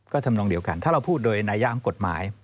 ก็ทำนองเดียวกันถ้าเราพูดโดยนาย่างกฎหมาย